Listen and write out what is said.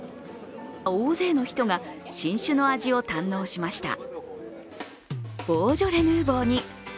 大勢の人が新酒の味を堪能しました。